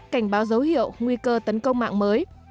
cảnh báo dấu hiệu nguy cơ tấn công mạng mới